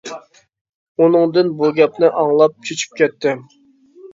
ئۇنىڭدىن بۇ گەپنى ئاڭلاپ چۈچۈپ كەتتىم.